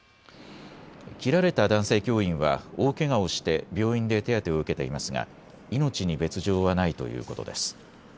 切られた男性教員は大けがをして病院で手当てを受けていますが命に別状はないということです。